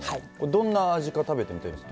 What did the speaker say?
どんな味か食べてみたいです。